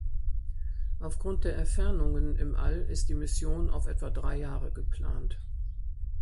Aufgrund der Entfernungen im All ist die Mission auf etwa drei Jahre geplant.